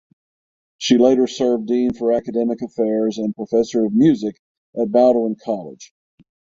She later served dean for academic affairs and professor of music at Bowdoin College.